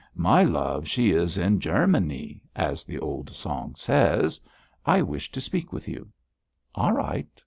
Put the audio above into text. "My love she is in Germanee," as the old song says. I wish to speak with you.' 'All right.